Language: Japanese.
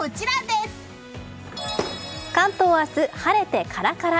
関東明日、晴れてカラカラ。